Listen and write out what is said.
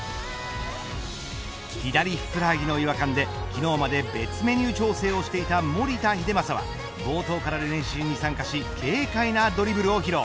左ふくらはぎの違和感で昨日まで別メニュー調整をしていた守田英正は冒頭から練習に参加し軽快なドリブルを披露。